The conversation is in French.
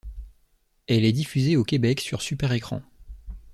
Elle est diffusée au Québec sur Super Écran.